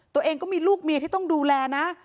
ตัวเองก็มีลูกเมียที่ต้องดูแลนะ